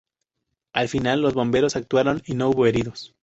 Al final los bomberos actuaron y no hubo heridos.